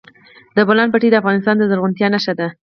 د بولان پټي د افغانستان د زرغونتیا نښه ده.